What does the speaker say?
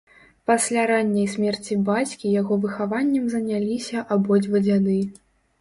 Пасля ранняй смерці бацькі яго выхаваннем заняліся абодва дзяды.